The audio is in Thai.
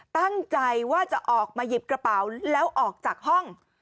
ตั้งใจว่าจะออกมาหยิบกระเป๋าแล้วออกจากห้อง